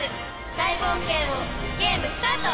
大冒険をゲームスタート！